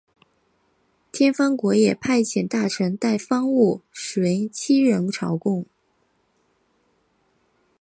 天方国也派遣大臣带方物随七人朝贡。